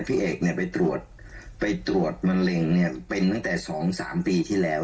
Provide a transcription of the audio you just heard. พี่เอกไปตรวจมันเร็งเนี่ยเป็นตั้งแต่๒๓ปีที่แล้ว